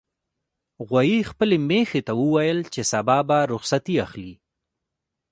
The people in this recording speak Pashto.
غویي خپلې میښې ته وویل چې سبا به رخصتي اخلي.